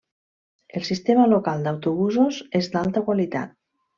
El sistema local d'autobusos és d'alta qualitat.